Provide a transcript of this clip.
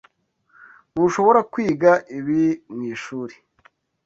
Ntushobora kwiga ibi mwishuri.